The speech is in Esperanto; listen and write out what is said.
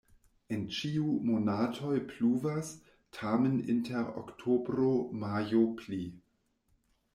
En ĉiuj monatoj pluvas, tamen inter oktobro-majo pli.